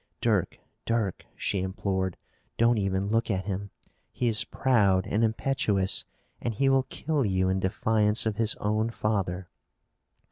"Dirk, Dirk," she implored, "don't even look at him. He is proud and impetuous, and he will kill you in defiance of his own father."